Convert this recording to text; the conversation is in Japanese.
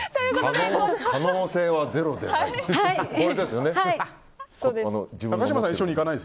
可能性はゼロではない。